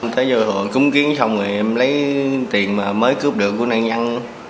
tới giờ cung kiến xong rồi em lấy tiền mà mới cướp được của nạn nhân